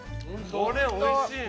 ◆これ、おいしいね。